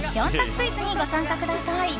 クイズにご参加ください。